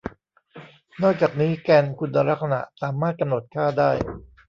นอกจากนี้แกนคุณลักษณะสามารถกำหนดค่าได้